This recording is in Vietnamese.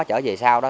trở về sau đó